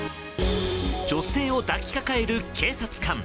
女性を抱きかかえる警察官。